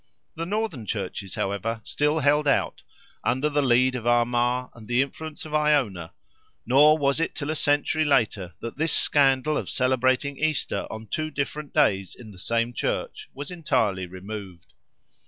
The northern churches, however, still held out, under the lead of Armagh and the influence of Iona, nor was it till a century later that this scandal of celebrating Easter on two different days in the same church was entirely removed.